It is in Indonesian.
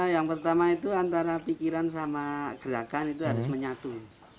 yang pertama itu antara pikiran sama gerakan itu harus menyatu